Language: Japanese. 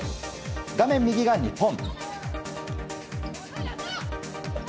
画面右が日本。